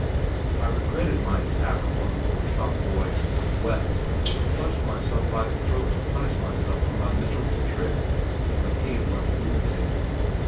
I regretted my attack upon the poor shop boy, wept, clutched myself by the throat to punish myself for my miserable trick, and behaved like a lunatic.